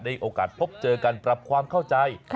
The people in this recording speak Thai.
โอกาสพบเจอกันปรับความเข้าใจ